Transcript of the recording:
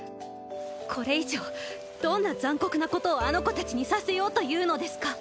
これ以上どんな残酷なことをあの子たちにさせようというのですか？